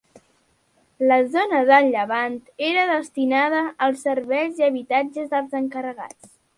La zona de llevant era destinada a serveis i habitatges dels encarregats.